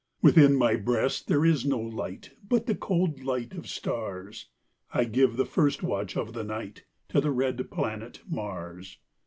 Within my breast there is no lightBut the cold light of stars;I give the first watch of the nightTo the red planet Mars.